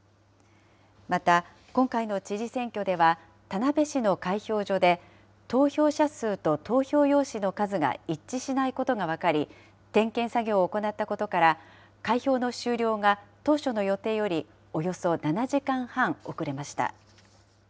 また、今回の知事選挙では、田辺市の開票所で投票者数と投票用紙の数が一致しないことが分かり、点検作業を行ったことから、開票の終了が当初の予定よりおよそ７時間半遅れました。